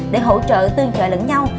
để hỗ trợ tương trợ lẫn nhau